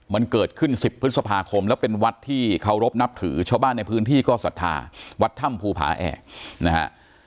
มันเกิดขึ้น๑๐พศแล้วเป็นวัดที่เคารบนับถือชาวบ้านในพื้นที่ก็ศัฒนาวัดถ้ำภูภาแอแอ